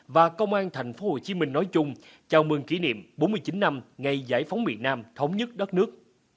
và công an tp hcm nói chung chào mừng kỷ niệm bốn mươi chín năm ngày giải phóng miền nam thống nhất đất nước